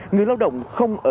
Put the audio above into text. người lao động không ở lòng đường